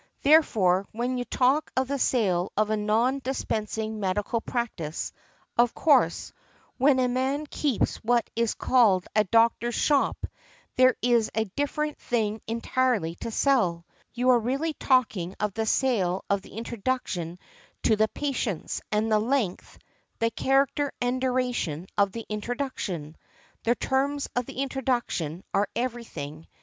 Therefore, when you talk of the sale of a non dispensing medical practice—of course, when a man keeps what is called a doctor's shop, there is a different thing entirely to sell—you are really talking of the sale of the introduction to the patients, and the length, the |192| character and duration of the introduction, the terms of the introduction are everything.